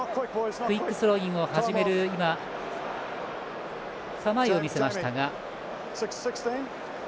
クイックスローイングを始める構えを見せましたが。